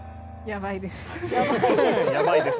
やばいです。